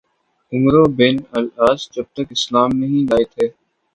عمرو بن العاص جب تک اسلام نہیں لائے تھے